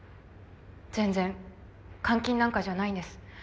全然監禁なんかじゃないんです。